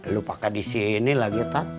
lo pake disini lagi tat